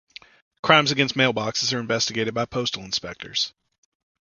Crimes against mailboxes are investigated by Postal Inspectors.